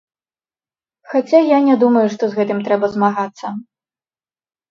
Хаця я не думаю, што з гэтым трэба змагацца.